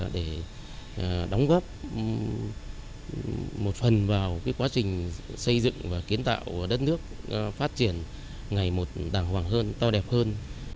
để đóng góp một phần vào quá trình xây dựng và kiến tạo đất nước phát triển ngày một đàng hoàng hơn to đẹp hơn